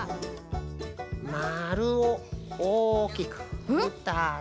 まるをおおきくふたつ。